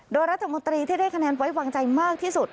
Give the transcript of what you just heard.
โดยรัฐมนตรีที่ได้คะแนนไว้วางใจมากที่สุด